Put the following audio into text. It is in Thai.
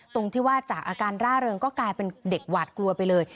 ตรงที่ว่าจากอาการร่าเริงก็กลายเป็นเด็กหวาดกลัวไปเลย